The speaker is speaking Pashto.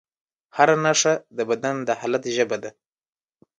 هره نښه د بدن د حالت ژبه ده.